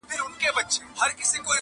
چي مغلوبه سي تیاره رڼا ځلېږي,